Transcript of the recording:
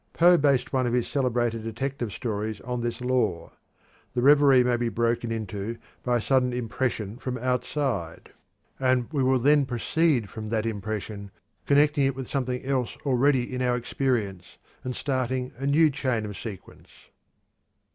Poe based one of his celebrated detective stories on this law. The reverie may be broken into by a sudden impression from outside, and we will then proceed from that impression, connecting it with something else already in our experience, and starting a new chain of sequence.